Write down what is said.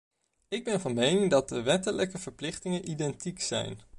Ik ben van mening dat de wettelijke verplichtingen identiek zijn.